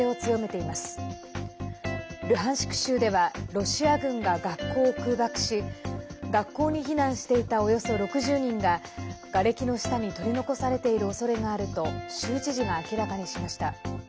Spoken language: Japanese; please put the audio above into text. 州ではロシア軍が学校を空爆し学校に避難していたおよそ６０人ががれきの下に取り残されているおそれがあると州知事が明らかにしました。